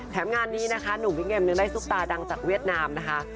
งานนี้นะคะหนุ่มบิ๊กเอ็มยังได้ซุปตาดังจากเวียดนามนะคะ